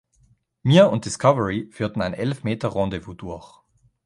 Mir und Discovery führten ein elf-Meter-Rendezvous durch.